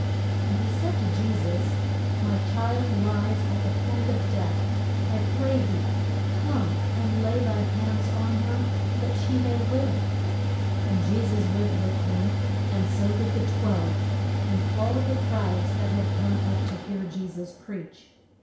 And he said to Je sus, My child lies at the point of death. I pray thee come and lay thy hands on her that she may live. And Je sus went with him, and so did the twelve, and all the crowd that had come up to hear Je sus preach.